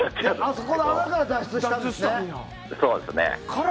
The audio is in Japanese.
あそこの穴から脱出したんですね。